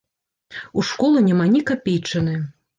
У школы няма ні капейчыны.